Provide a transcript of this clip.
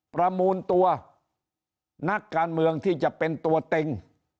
ประมูลตัวนักการเมืองที่จะเป็นตัวเต็ง